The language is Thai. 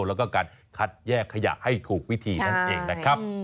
แล้วก็การคัดแยกขยะให้ถูกวิธีนั่นเองนะครับ